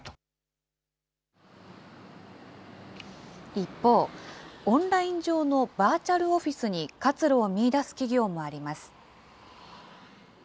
一方、オンライン上のバーチャルオフィスに活路を見いだす企業もあります。